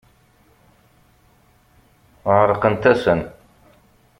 Ɛerqent-asen.